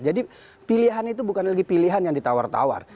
jadi pilihan itu bukan lagi pilihan yang ditawar tawar